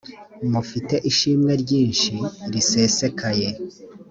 mufite ishimwe ryinshi risesekaye